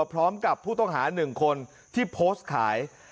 พร้อมกับผู้ต้องหา๑คนที่โพสต์ขาย